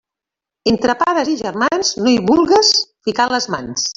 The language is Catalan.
Entre pares i germans no hi vulgues ficar les mans.